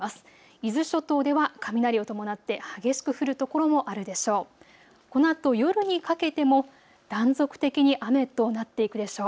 伊豆諸島では雷を伴って激しく降る所もあるでしょう。